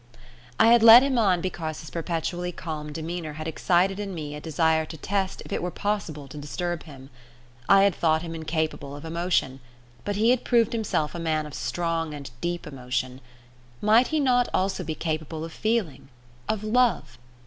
I had led him on because his perpetually calm demeanour had excited in me a desire to test if it were possible to disturb him. I had thought him incapable of emotion, but he had proved himself a man of strong and deep emotion; might he not also be capable of feeling of love?